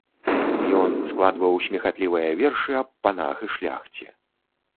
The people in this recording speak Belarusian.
Ён складваў смехатлівыя вершы аб панах і шляхце.